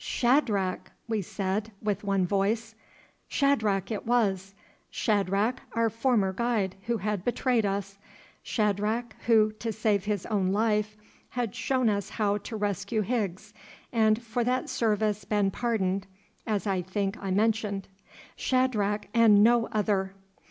"Shadrach!" we said, with one voice. Shadrach it was; Shadrach, our former guide, who had betrayed us; Shadrach who, to save his own life, had shown us how to rescue Higgs, and for that service been pardoned, as I think I mentioned. Shadrach and no other!